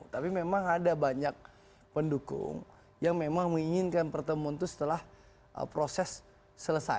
tapi memang ada banyak pendukung yang memang menginginkan pertemuan itu setelah proses selesai